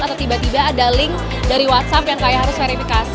atau tiba tiba ada link dari whatsapp yang kayak harus verifikasi